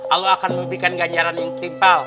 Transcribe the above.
allah akan memberikan ganjaran yang timpal